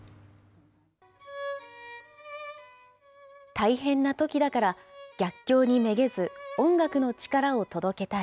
大変なときだから、逆境にめげず、音楽の力を届けたい。